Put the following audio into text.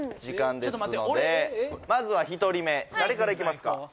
ちょっと待って俺まずは１人目誰からいきますか？